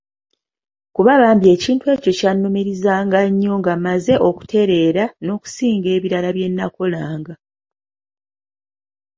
Kuba bambi ekintu ekyo kyannumirizanga nnyo nga mmaze okutereera n'okusinga ebirala byennakolanga.